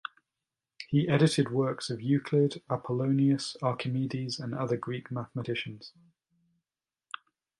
He edited works of Euclid, Apollonius, Archimedes, and other Greek mathematicians.